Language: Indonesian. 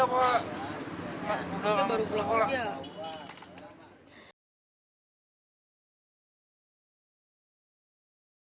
kewalan anggota anggota mengejar sama memakan se berries atau bruce kelvin